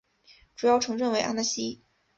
主要城镇为阿讷西。